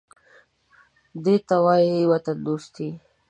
_دې ته وايي وطندوستي.